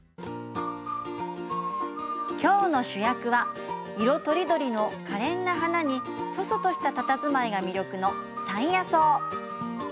今日の主役は色とりどりのかれんな花にそそとしたたたずまいが魅力の山野草。